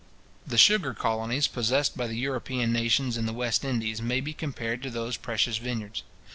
The sugar colonies possessed by the European nations in the West Indies may be compared to those precious vineyards.